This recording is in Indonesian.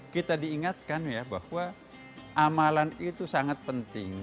kita diingatkan ya bahwa amalan itu sangat penting